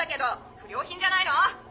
不良品じゃないの！？